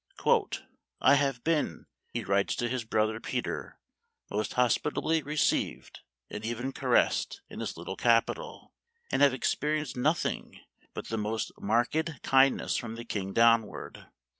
" I have been," he writes to his brother Peter, " most hospitably received, and even caressed, in this little capital, and have experienced nothing but the most marked kind ness from the King downward.